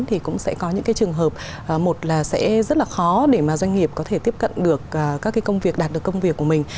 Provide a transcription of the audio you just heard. thì cũng sẽ có những cái trường hợp một là sẽ rất là khó để mà doanh nghiệp có thể tiếp cận được các cái công việc đạt được công việc của mình